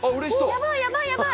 やばいやばいやばい。